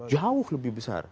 jauh lebih besar